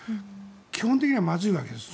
基本的にはまずいわけです。